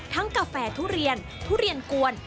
กาแฟทุเรียนทุเรียนกวน